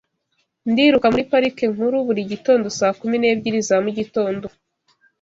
Ndiruka muri Parike Nkuru buri gitondo saa kumi n'ebyiri za mugitondo